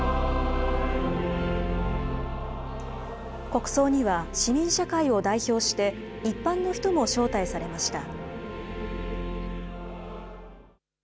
国葬には市民社会を代表して一般の人も招待されました。